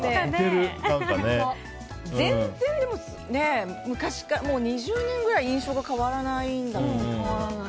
全然、でも昔から２０年ぐらい印象が変わらないもんね。